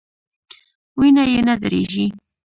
وینه یې نه دریږي.